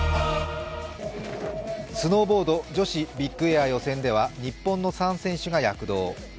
スノーボード女子ビッグエア予選では日本の３選手が躍動。